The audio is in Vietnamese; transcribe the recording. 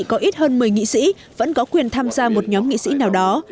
có ít hơn một mươi nghị sĩ vẫn có quyền tham gia một nhóm nghị sĩ nào đó